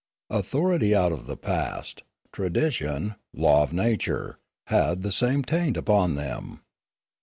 Authority out of the past, tradition, law of nature, had the same taint upon them.